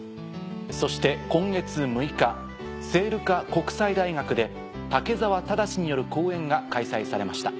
そして今月６日聖路加国際大学で武澤忠による講演が開催されました。